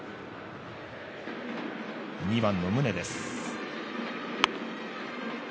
２番の宗です。